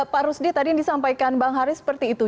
pak rusdi tadi yang disampaikan bang haris seperti itu